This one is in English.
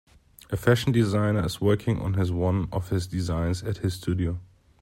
A fashion designer is working on his one of his designs at his studio.